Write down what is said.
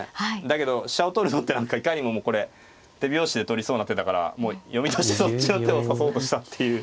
だけど飛車を取るのって何かいかにももうこれ手拍子で取りそうな手だからもう読みとしてそっちの手を指そうとしたっていう。